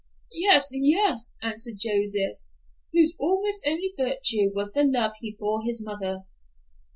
"Yes, yes," answered Joseph, whose almost only virtue was the love he bore his mother.